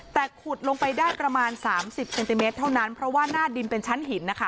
แต่ขุดลงไปได้ประมาณสามสิบเซนติเมตรเท่านั้นเพราะว่าหน้าดินเป็นชั้นหินนะคะ